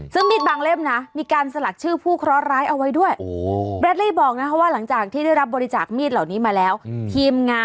ซึ่งมีดบางเล่มนะมีการสลักชื่อผู้เคราะหร้ายเอาไว้ด้วย